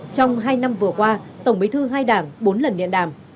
trong hai năm vừa qua tổng bí thư hai đảng bốn lần điện đàm